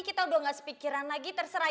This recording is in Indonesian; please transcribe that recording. kita udah gak sepikiran lagi terserah